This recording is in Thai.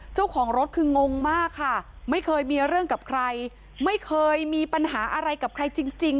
เจ้าของรถคืองงมากค่ะไม่เคยมีเรื่องกับใครไม่เคยมีปัญหาอะไรกับใครจริง